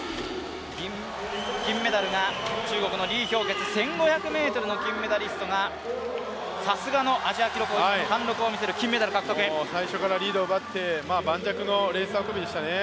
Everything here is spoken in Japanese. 金メダルが中国の李氷潔、１５００ｍの金メダリストがさすがのアジア記録保持者の貫禄を見せる最初からリードを奪って盤石のレース運びでしたね。